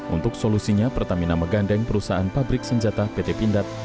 untuk solusinya pertamina menggandeng perusahaan pabrik senjata pt pindad